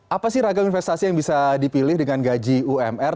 apa sih ragam investasi yang bisa dipilih dengan gaji umr